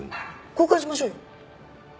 交換しましょうよ。